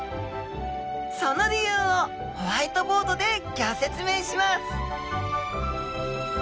その理由をホワイトボードでギョ説明します